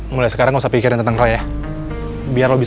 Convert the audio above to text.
mulai sekarang gak usah pikirin tentang roy ya